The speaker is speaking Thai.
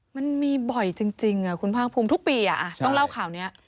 มันมีบ่อยจริงคุณภาคภูมิทุกปีต้องเล่าข่าวนี้